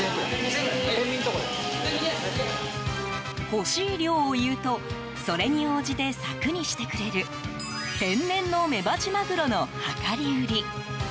欲しい量を言うとそれに応じて柵にしてくれる天然のメバチマグロの量り売り。